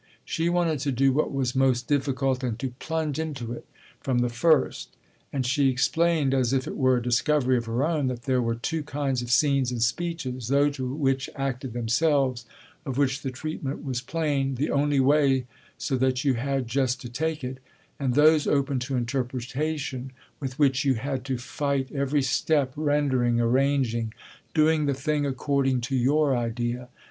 She wanted to do what was most difficult, and to plunge into it from the first; and she explained as if it were a discovery of her own that there were two kinds of scenes and speeches: those which acted themselves, of which the treatment was plain, the only way, so that you had just to take it; and those open to interpretation, with which you had to fight every step, rendering, arranging, doing the thing according to your idea.